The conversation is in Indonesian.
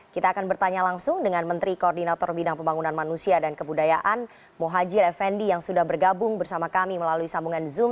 kita akan bertanya langsung dengan menteri koordinator bidang pembangunan manusia dan kebudayaan muhajir effendi yang sudah bergabung bersama kami melalui sambungan zoom